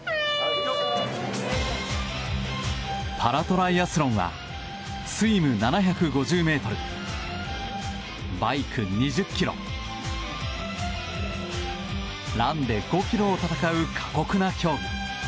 パラトライアスロンはスイム７５０ｍバイク２０ｋｍランで５ｋｍを戦う過酷な競技。